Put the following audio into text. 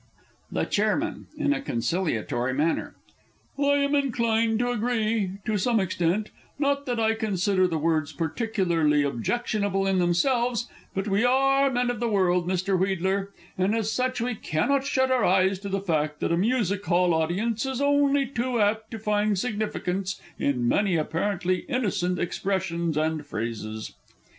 The Chairman (in a conciliatory manner). I am inclined to agree to some extent not that I consider the words particularly objectionable in themselves, but we are men of the world, Mr. Wheedler, and as such we cannot shut our eyes to the fact that a Music hall audience is only too apt to find significance in many apparently innocent expressions and phrases.